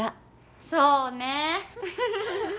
そうね。